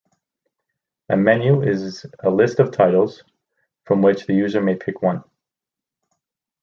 A menu is a list of titles, from which the user may pick one.